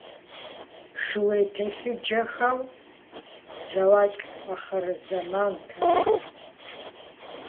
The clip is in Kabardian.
Шууей телъыджэхэу, зауэлӀ ахъырзэмант ахэр!